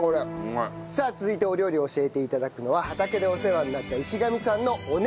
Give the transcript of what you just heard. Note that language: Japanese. さあ続いてお料理を教えていただくのは畑でお世話になった石神さんのお姉様です。